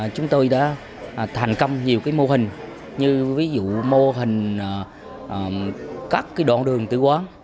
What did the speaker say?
chúng tôi đã thành công nhiều mô hình như ví dụ mô hình các đoạn đường tử quán